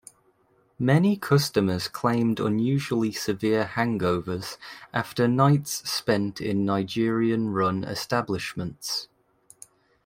Many customers claimed unusually severe hangovers after nights spent in Nigerian-run establishments.